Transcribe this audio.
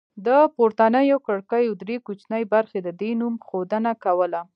د پورتنیو کړکیو درې کوچنۍ برخې د دې نوم ښودنه کوله